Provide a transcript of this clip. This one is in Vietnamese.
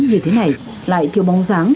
như thế này lại thiêu bóng dáng